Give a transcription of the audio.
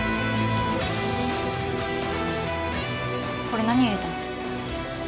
これ何入れたの？